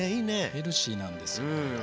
ヘルシーなんですよこれが。